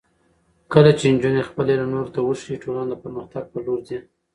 کله چې نجونې خپل علم نورو ته وښيي، ټولنه د پرمختګ په لور ځي.